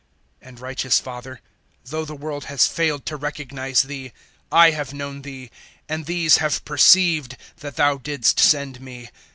017:025 And, righteous Father, though the world has failed to recognize Thee, I have known Thee, and these have perceived that Thou didst send me.